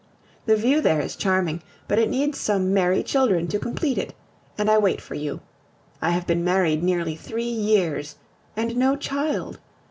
The view there is charming, but it needs some merry children to complete it, and I wait for you. I have been married nearly three years, and no child!